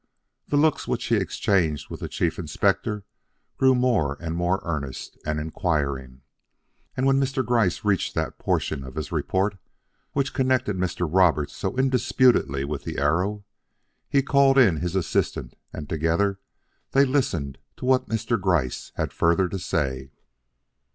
The looks which he exchanged with the Chief Inspector grew more and more earnest and inquiring, and when Mr. Gryce reached that portion of his report which connected Mr. Roberts so indisputably with the arrow, he called in his assistant and together they listened to what Mr. Gryce had further to say.